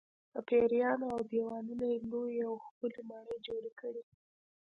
په پېریانو او دیوانو یې لویې او ښکلې ماڼۍ جوړې کړې.